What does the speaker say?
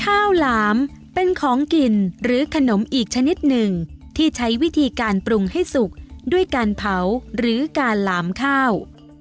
หลามเป็นของกินหรือขนมอีกชนิดหนึ่งที่ใช้วิธีการปรุงให้สุกด้วยการเผาหรือการหลามข้าว